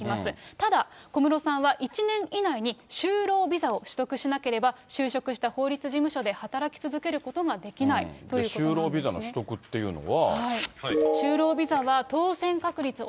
ただ、小室さんは１年以内に就労ビザを取得しなければ、就職した法律事務所で働き続けることができないということになり就労ビザの取得っていうのは。